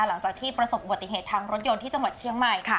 หลังจากที่ประสบอุบัติเหตุทางรถยนต์ที่จังหวัดเชียงใหม่